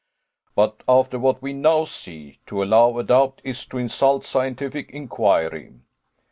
But after what we now see, to allow a doubt is to insult scientific inquiry.